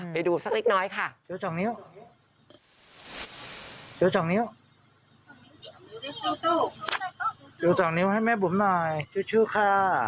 ไปดูสักนิดน้อยค่ะ